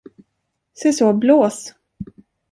Se så, blås.